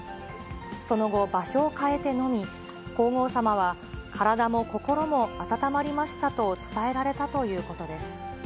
その後、場所を変えて飲み、皇后さまは、体も心も温まりましたと伝えられたということです。